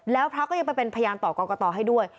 แล้วพระก็ยังไปเป็นพยานต่อกรกตให้ด้วย